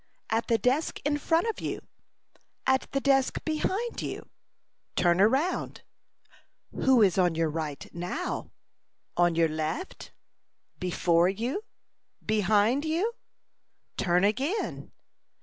At the desk in front of you? At the desk behind you? Turn round. Who is on your right now? On your left? Before you? Behind you? Turn again.